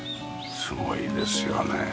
すごいですよね。